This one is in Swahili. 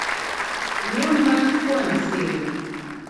nyumba kuwa na siri